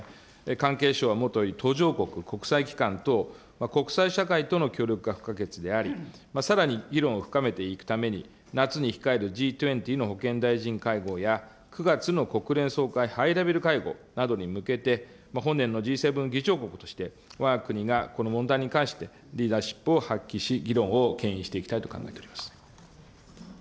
関係省はもとより途上国、国際機関等、国際社会との協力が不可欠であり、さらに議論を深めていくために夏に控えるＧ２０の保健大臣会合や、９月の国連総会ハイレベル会合などに向けて、本年のＧ７議長国として、わが国がこの問題に関して、リーダーシップを発揮し、議論をけん引していきたいと考えております。